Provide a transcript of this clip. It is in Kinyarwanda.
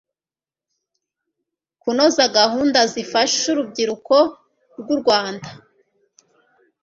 kunoza gahunda zifasha urubyiruko rw'u rwanda